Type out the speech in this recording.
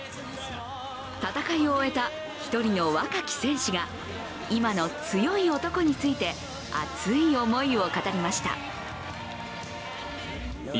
戦いを終えた一人の若き戦士が今の強い男について、熱い思いを語りました。